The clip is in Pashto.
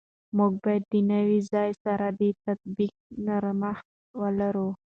موږ باید د نوي ځای سره د تطابق نرمښت ولرو.